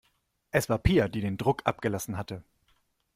Es war Pia, die den Druck abgelassen hatte.